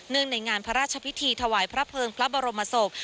ในงานพระราชพิธีถวายพระเภิงพระบรมศพ